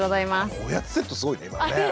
あのおやつセットすごいね今ね。